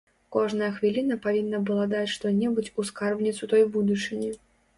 Кожная хвіліна павінна была даць што-небудзь у скарбніцу той будучыні.